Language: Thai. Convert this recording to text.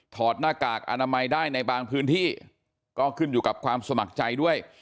หน้ากากอนามัยได้ในบางพื้นที่ก็ขึ้นอยู่กับความสมัครใจด้วย